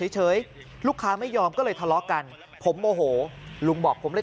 เฉยลูกค้าไม่ยอมก็เลยทะเลาะกันผมโมโหลุงบอกผมเลย